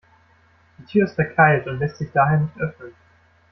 Die Tür ist verkeilt und lässt sich daher nicht öffnen.